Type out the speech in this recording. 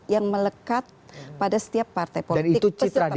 yang melekat pada setiap partai politik